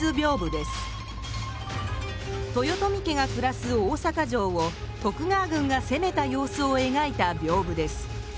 豊臣家が暮らす大坂城を徳川軍が攻めた様子をえがいた屏風です。